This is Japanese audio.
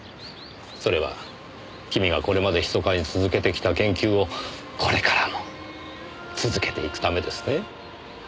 それは君がこれまで密かに続けてきた研究をこれからも続けていくためですね？